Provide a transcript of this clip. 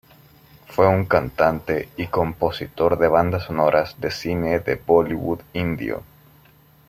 Fue un cantante y compositor de bandas sonoras de cine de Bollywood indio.